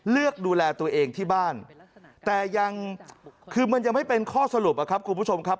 เลือกดูแลตัวเองที่บ้านแต่ยังคือมันยังไม่เป็นข้อสรุปอะครับคุณผู้ชมครับ